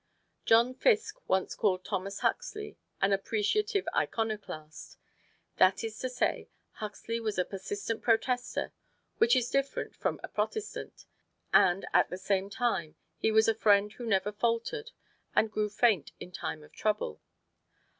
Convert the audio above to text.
John Fiske once called Thomas Huxley an "appreciative iconoclast." That is to say, Huxley was a persistent protester (which is different from a protestant), and at the same time, he was a friend who never faltered and grew faint in time of trouble.